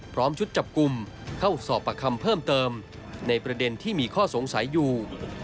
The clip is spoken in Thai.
ชุดจับกลุ่มเข้าสอบประคำเพิ่มเติมในประเด็นที่มีข้อสงสัยอยู่